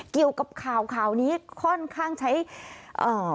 เกี่ยวกับข่าวข่าวนี้ค่อนข้างใช้เอ่อ